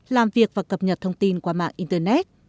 làm việc và cập nhật thông tin qua mạng internet